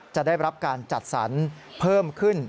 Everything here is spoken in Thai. จะได้รับการจัดสรรเพิ่มขึ้น